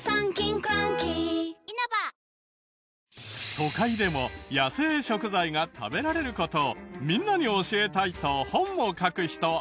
都会でも野生食材が食べられる事をみんなに教えたいと本を書く人。